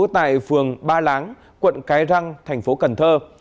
tại phường ba láng quận cái răng thành phố cần thơ